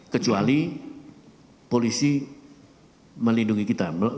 kecuali polisi melindungi kita